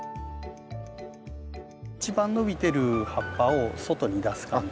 一番伸びてる葉っぱを外に出す感じで。